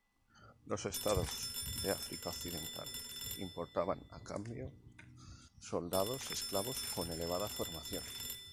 Los estados de África Occidental importaban a cambio soldados esclavos con elevada formación.